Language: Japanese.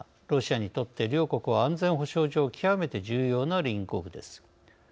ロシアにとって両国は安全保障上極めて重要な隣国です。